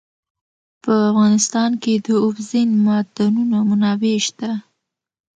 په افغانستان کې د اوبزین معدنونه منابع شته.